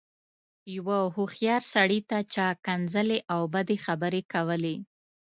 يوه هوښيار سړي ته چا ښکنځلې او بدې خبرې کولې.